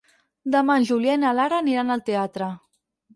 Demà en Julià i na Lara aniran al teatre.